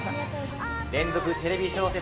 連続テレビ小説